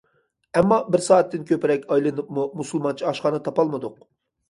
ئەمما بىر سائەتتىن كۆپرەك ئايلىنىپمۇ مۇسۇلمانچە ئاشخانا تاپالمىدۇق.